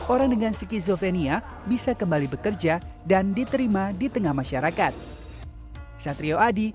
orang dengan skizofrenia bisa kembali bekerja dan diterima di tengah masyarakat